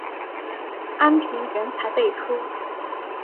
安平人才辈出。